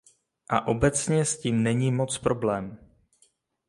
A obecně s tím není moc problém.